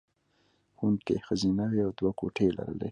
ښوونکې یې ښځینه وې او دوه کوټې یې لرلې